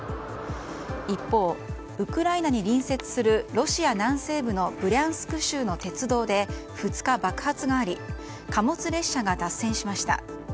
一方、ウクライナに隣接するロシア南西部のブリャンスク州の鉄道で２日、爆発があり貨物列車が脱線しました。